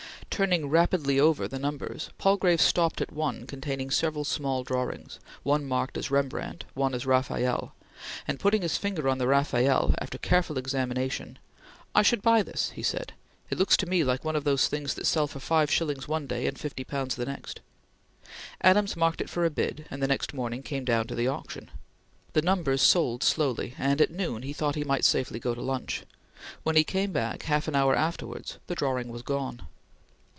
Turning rapidly over the numbers, Palgrave stopped at one containing several small drawings, one marked as Rembrandt, one as Rafael; and putting his finger on the Rafael, after careful examination; "I should buy this," he said; "it looks to me like one of those things that sell for five shillings one day, and fifty pounds the next." Adams marked it for a bid, and the next morning came down to the auction. The numbers sold slowly, and at noon he thought he might safely go to lunch. When he came back, half an hour afterwards, the drawing was gone.